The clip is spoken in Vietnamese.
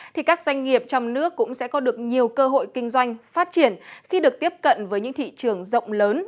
thì các doanh nghiệp trong nước cũng sẽ có được nhiều cơ hội kinh doanh phát triển khi được tiếp cận với những thị trường rộng lớn